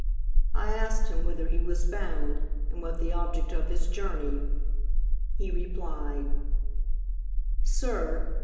—I asked him whither he was bound, and what The object of his journey; he replied "Sir!